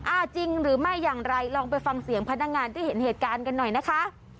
จริงหรือไม่อย่างไรลองไปฟังเสียงพนักงานที่เห็นเหตุการณ์กันหน่อยนะคะ